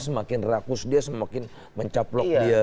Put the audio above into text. semakin rakus dia semakin mencaplok dia